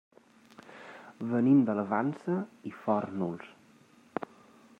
Venim de la Vansa i Fórnols.